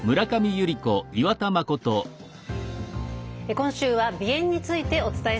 今週は鼻炎についてお伝えします。